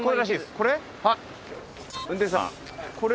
これ？